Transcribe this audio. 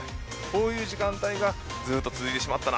こういった時間帯がずっと続いてしまいました。